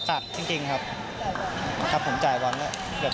ไอดอลผมเลย